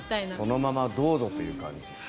そのままどうぞという感じ。